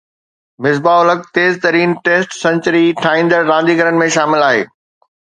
مصباح الحق تيز ترين test century ٺاهيندڙ رانديگرن ۾ شامل آهي